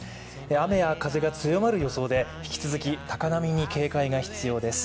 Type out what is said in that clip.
雨や風が強まる予想で引き続き高波に警戒が必要です。